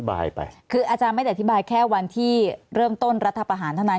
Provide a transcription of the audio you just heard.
คืออาจารย์ไม่ได้อธิบายแค่วันที่เริ่มต้นรัฐประหารเท่านั้น